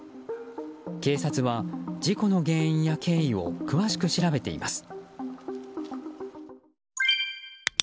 警察は事故の原因や経緯を詳しく調べています。